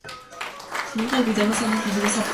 Nunca olvidó los años vividos a pura pelea.